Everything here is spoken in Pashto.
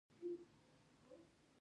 خوراک د غولو رنګ بدلوي.